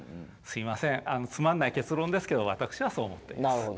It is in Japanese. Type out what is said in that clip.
すいませんつまんない結論ですけど私はそう思っています。